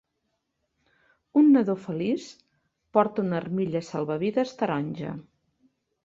Un nadó feliç porta una armilla salvavides taronja.